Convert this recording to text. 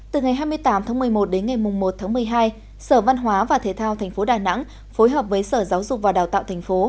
từ ngày hai mươi tám tháng một mươi một đến ngày một tháng một mươi hai sở văn hóa và thể thao tp đà nẵng phối hợp với sở giáo dục và đào tạo thành phố